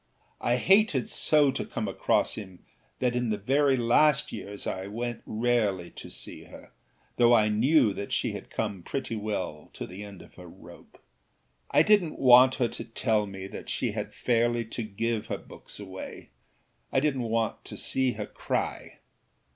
I hated so to come across him that in the very last years I went rarely to see her, though I knew that she had come pretty well to the end of her rope. I didnât want her to tell me that she had fairly to give her books awayâI didnât want to see her cry.